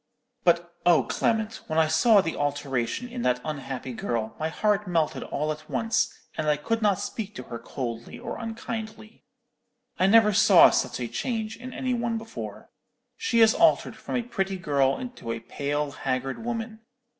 "'But, oh, Clement, when I saw the alteration in that unhappy girl, my heart melted all at once, and I could not speak to her coldly or unkindly. I never saw such a change in any one before. She is altered from a pretty girl into a pale haggard woman.